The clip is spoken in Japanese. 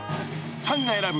［ファンが選ぶ